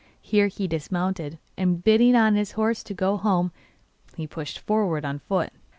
Here he dismounted, and bidding his horse go home, he pushed forward on foot.